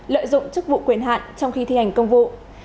lợi dụng chức vụ quyền hạn trong khi thi hành công vụ